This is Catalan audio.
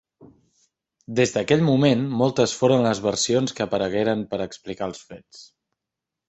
Des d'aquell moment moltes foren les versions que aparegueren per explicar els fets.